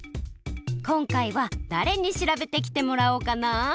こんかいはだれに調べてきてもらおうかな？